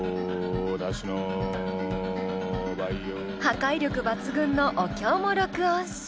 破壊力抜群のお経も録音し。